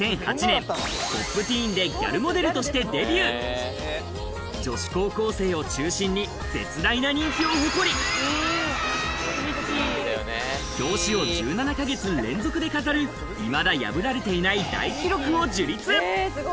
２００８年女子高校生を中心に絶大な人気を誇り表紙を１７か月連続で飾るいまだ破られていない大記録を樹立！